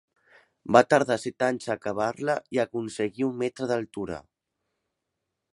Va tardar set anys a acabar-la i aconseguí un metre d'altura.